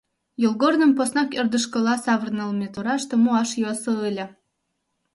Йолгорным поснак ӧрдыжкыла савырнылме тураште муаш йӧсӧ ыле.